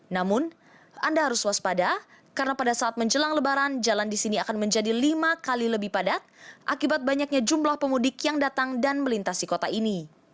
namun anda harus waspada karena pada saat menjelang lebaran jalan di sini akan menjadi lima kali lebih padat akibat banyaknya jumlah pemudik yang datang dan melintasi kota ini